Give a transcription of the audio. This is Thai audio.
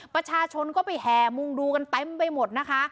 ประชาชนก็ไปแห่มุงดูกันเต็มไปหมดนะคะ